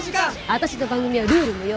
私の番組はルール無用！